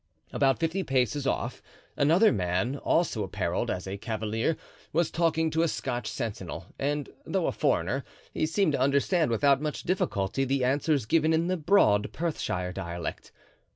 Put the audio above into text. About fifty paces off, another man, also appareled as a cavalier, was talking to a Scotch sentinel, and, though a foreigner, he seemed to understand without much difficulty the answers given in the broad Perthshire dialect.